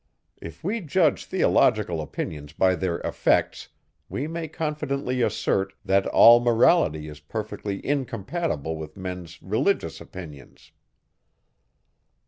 If we judge theological opinions by their effects, we may confidently assert, that all Morality is perfectly incompatible with men's religious opinions.